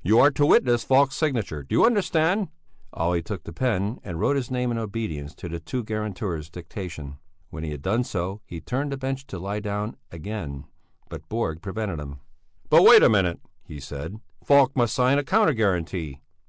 "You are to witness Falk's signature. Do you understand?" Olle took the pen and wrote his name in obedience to the two guarantors' dictation. When he had done so, he turned to the bench to lie down again but Borg prevented him. "Wait a minute," he said, "Falk must first sign a counter guarantee."